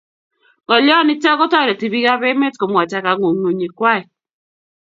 ngolyo nitok ko tareti piik ab emet ko mwaita kanguyngunyik kwai